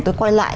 tôi quay lại